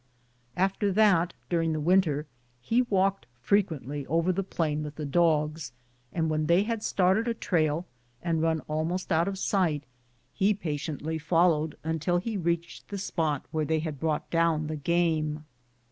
Af ter that, during the winter, he walked frequently over the plain with the dogs, and when they had started a trail and run almost out of sight, he patiently followed until he reached the spot where they had brought down the game.